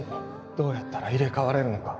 どうやったら入れ替われるのか